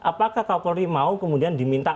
apakah kapolri mau kemudian diminta